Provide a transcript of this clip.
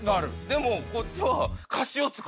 でもこっちは。